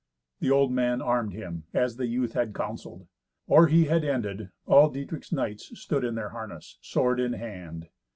The old man armed him as the youth had counselled. Or he had ended, all Dietrich's knights stood in their harness, sword in hand.